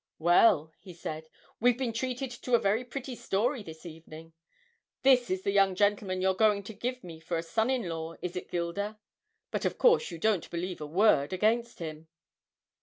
'Well,' he said, 'we've been treated to a very pretty story this evening. This is the young gentleman you're going to give me for a son in law, is it, Gilda? But of course you don't believe a word against him!'